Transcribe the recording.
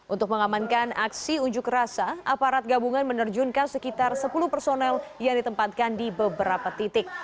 untuk mengamankan aksi unjuk rasa aparat gabungan menerjunkan sekitar sepuluh personel yang ditempatkan di beberapa titik